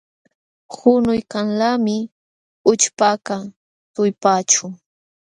Qunuykanlaqmi ućhpakaq tullpaaćhu.